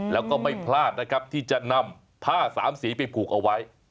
แล้วก็ไม่พลาดนะครับที่จะนำผ้าสามสีไปผูกเอาไว้